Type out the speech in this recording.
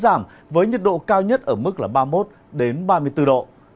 giảm với nhiệt độ cao nhất ở mức là ba mươi một ba mươi bốn độ